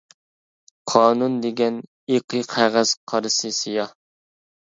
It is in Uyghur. -قانۇن دېگەن ئېقى قەغەز قارىسى سىياھ.